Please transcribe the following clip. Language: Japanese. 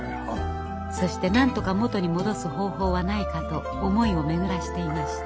そしてなんとか元に戻す方法はないかと思いを巡らしていました。